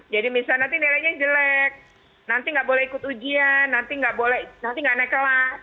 jadi misalnya nanti nilainya jelek nanti nggak boleh ikut ujian nanti nggak naik kelas